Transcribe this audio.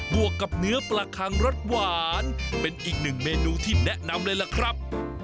วกกับเนื้อปลาคังรสหวานเป็นอีกหนึ่งเมนูที่แนะนำเลยล่ะครับ